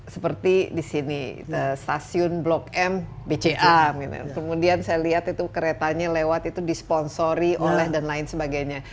seperti di sini stasiun blok m bca kemudian saya lihat itu keretanya lewat itu disponsori oleh dan lain sebagainya